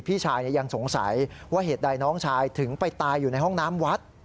พี่ชายยังสงสัยว่าเหตุใดน้องชายถึงไปตายอยู่ในห้องน้ำวัด